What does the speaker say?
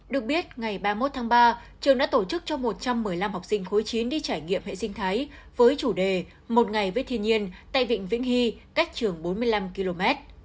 được biết ngày ba mươi một tháng ba trường đã tổ chức cho một trăm một mươi năm học sinh khối chín đi trải nghiệm hệ sinh thái với chủ đề một ngày với thiên nhiên tại vịnh vĩnh hy cách trường bốn mươi năm km